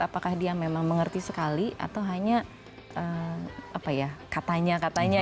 apakah dia memang mengerti sekali atau hanya katanya katanya